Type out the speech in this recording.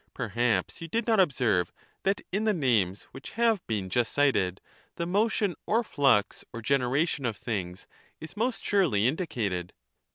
Perhaps you did not observe that in the names which have been just cited, the motion or flux or generation of things is most surely indicated.